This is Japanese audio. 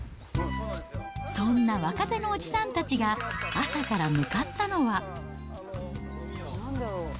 そんな若手のおじさんたちが、朝から向かったのは。